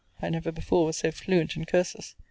I never before was so fluent in curses.